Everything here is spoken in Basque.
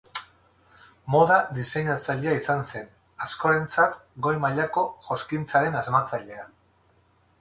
Moda diseinatzailea izan zen, askorentzat goi mailako joskintzaren asmatzailea.